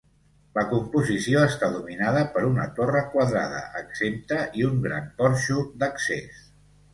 La composició està dominada per una torre quadrada exempta i un gran porxo d'accés.